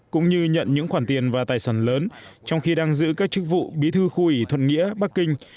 cũng như nhận những khoản tiền và tài sản lớn trong khi đang giữ các chức vụ bí thư khu ủy thuận nghĩa bắc kinh